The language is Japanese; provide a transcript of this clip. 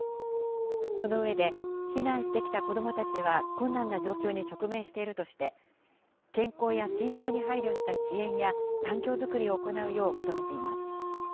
その上で、避難してきた子どもたちは困難な状況に直面しているとして、健康や心情に配慮した支援や、環境作りを行うよう求めています。